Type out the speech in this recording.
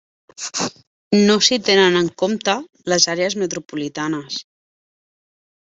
No s'hi tenen en compte les àrees metropolitanes.